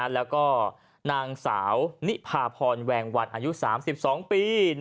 แล้วก็นางสาวนิพาพรแวงวันอายุ๓๒ปี